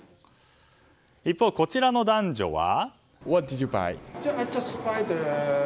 一方、こちらの男女は。